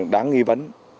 đáng nghi vấn